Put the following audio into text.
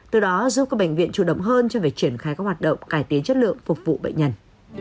từ đó giúp các bệnh viện chủ động hơn cho việc triển khai các hoạt động cải tiến chất lượng phục vụ bệnh nhân